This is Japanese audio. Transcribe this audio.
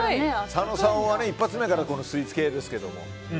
佐野さんは一発目からスイーツ系ですけど。